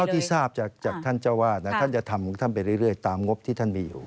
เท่าที่ที่ท่านจะว่าท่านจะทำไปเรื่อยตามงบที่ท่านมีอยู่